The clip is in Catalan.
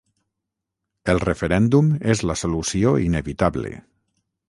El referèndum és la solució inevitable.